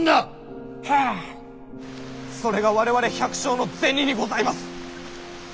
それが我々百姓の銭にございます！